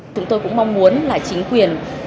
chúng tôi cũng mong muốn là chính quyền